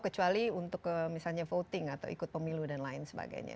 kecuali untuk misalnya voting atau ikut pemilu dan lain sebagainya